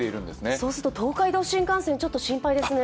そうすると東海道新幹線ちょっと心配ですね。